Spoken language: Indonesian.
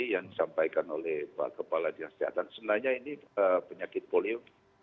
yang disampaikan oleh pak kepala dinas kesehatan sebenarnya ini penyakit polio